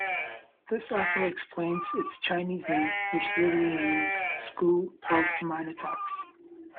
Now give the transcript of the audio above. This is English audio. This also explains its Chinese name, which literally means "school of minor-talks".